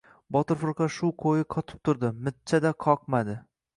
Botir firqa shu qo‘yi qotib turdi. Mijja-da qoqma-di.